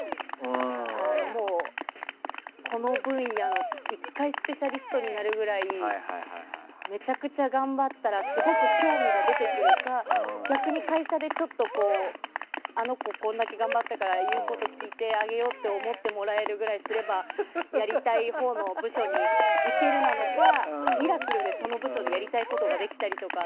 １回、この分野のスペシャリストになるぐらいめちゃくちゃ頑張ったらすごく興味が出てくるか逆に、会社でちょっとあの子これだけ頑張ったから言うこと聞いてあげようって思ってもらえるぐらいすればやりたいほうの部署に行けるのかミラクルでその部署でやりたいことができたりとか。